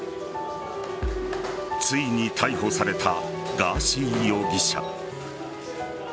ついに逮捕されたガーシー容疑者。